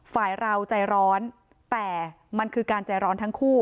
ฝ่ายเราใจร้อนแต่มันคือการใจร้อนทั้งคู่